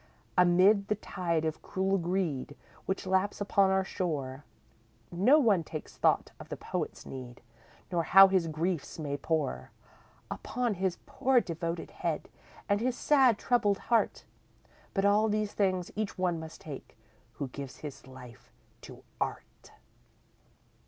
Amid the tide of cruel greed Which laps upon our shore, No one takes thought of the poet's need Nor how his griefs may pour Upon his poor, devoted head And his sad, troubled heart; But all these things each one must take, Who gives his life to Art.